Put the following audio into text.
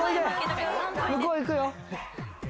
向こういくよ。